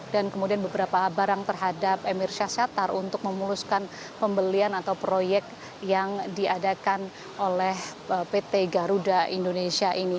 dan kemudian beberapa barang terhadap emir syasyatar untuk memuluskan pembelian atau proyek yang diadakan oleh pt garuda indonesia